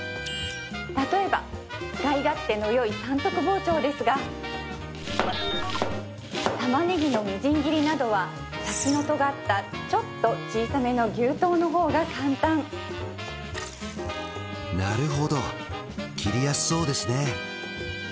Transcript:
例えば使い勝手のよい三徳包丁ですがタマネギのみじん切りなどは先のとがったちょっと小さめの牛刀の方が簡単なるほど切りやすそうですね